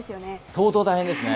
相当大変ですね。